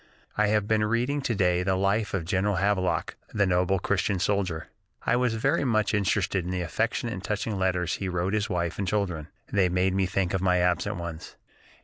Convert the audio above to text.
I have been reading to day the life of General Havelock, that noble Christian soldier. I was very much interested in the affectionate and touching letters he wrote his wife and children; they made me think of my absent ones....